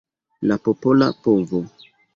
La popola povo.